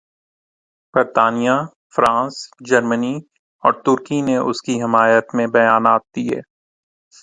برطانیہ، France, Germany اور ترکی نے اس کی حمایت میں بیانات دیے۔